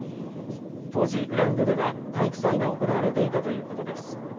当時、グラウンドでは体育祭が行われていたということです。